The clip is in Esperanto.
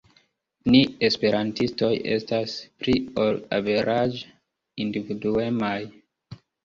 Ni esperantistoj estas pli ol averaĝe individuemaj.